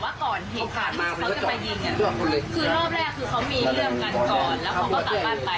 คือรอบแรกคือเขามีเรื่องกันก่อนแล้วเขาก็ตัดบ้านไป